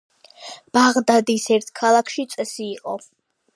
ბაღდადის ერთ ქალაქში წესი იყო